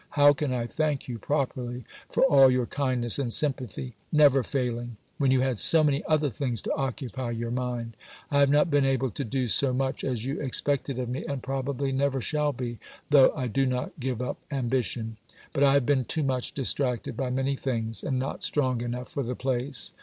How can I thank you properly for all your kindness and sympathy never failing when you had so many other things to occupy your mind? I have not been able to do so much as you expected of me, and probably never shall be, though I do not give up ambition. But I have been too much distracted by many things; and not strong enough for the place.